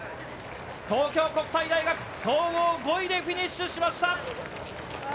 東京国際大学、総合５位でフィニッシュしました。